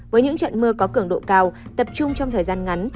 với những trận mưa có cường độ cao tập trung trong thời gian ngắn